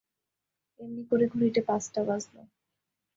এমনি করে ঘড়িতে পাঁচটা বাজল।